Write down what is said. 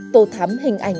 tô thắm hình ảnh